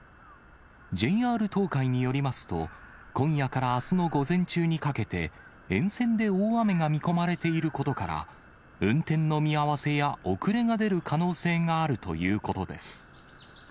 ＪＲ東海によりますと、今夜からあすの午前中にかけて、沿線で大雨が見込まれていることから、運転の見合わせや遅れが出る可能性があるということです。